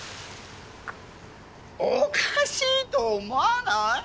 おかしいと思わない！？